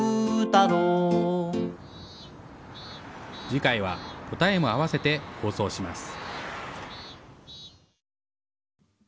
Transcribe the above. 次回は答えも合わせて放送します。